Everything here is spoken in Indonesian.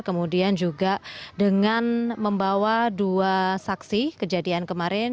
kemudian juga dengan membawa dua saksi kejadian kemarin